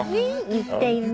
言ったよね？